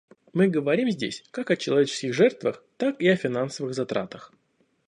Мы говорим здесь как о человеческих жертвах, так и о финансовых затратах.